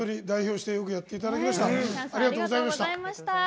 代表してよくやっていただきました。